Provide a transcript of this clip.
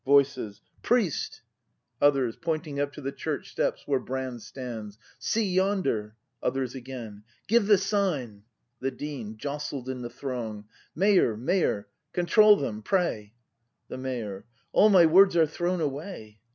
Voices. Priest ! 256 BRAND [act v Others. [Pointing up to the Church steps, wliere Brand stands.l See yonder! Others again. Give the sign! The Dean. [Jostled in the throng l\ Mayor, Mayor, control them, pray! The Mayor. All my words are thrown away!